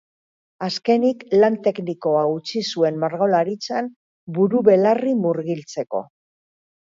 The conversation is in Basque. Azkenik, lan teknikoa utzi zuen margolaritzan buru-belarri murgiltzeko.